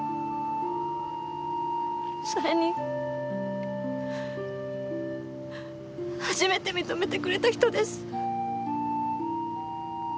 それに初めて認めてくれた人です。